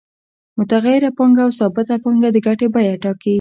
متغیره پانګه او ثابته پانګه د ګټې بیه ټاکي